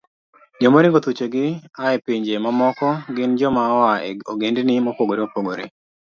Joma oringo thuchegi a e pinje mamoko gin joma oa e ogendni mopogore opogore.